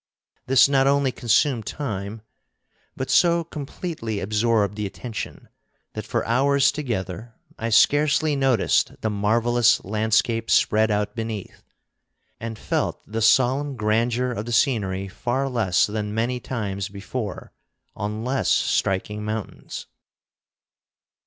This not only consumed time, but so completely absorbed the attention that for hours together I scarcely noticed the marvelous landscape spread out beneath, and felt the solemn grandeur of the scenery far less than many times before on less striking mountains.